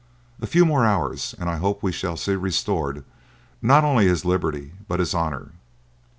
A few more hours, and I hope we shall see restored, not only his liberty, but his honour.